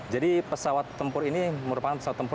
jadi pesawat tempur ini merupakan pesawat tempur